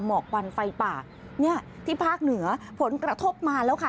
หมอกควันไฟป่าเนี่ยที่ภาคเหนือผลกระทบมาแล้วค่ะ